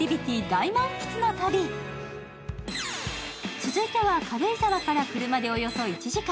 続いては、軽井沢から車でおよそ１時間。